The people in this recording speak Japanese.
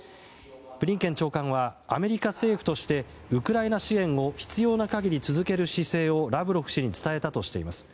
ブリンケン長官はアメリカ政府としてウクライナ支援を必要な限り続ける姿勢をラブロフ氏に伝えたとしています。